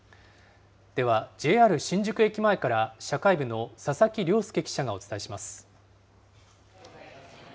では、ＪＲ新宿駅前から社会部の佐々木良介記者がお伝えします。